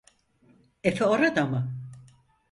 Efe orada mı?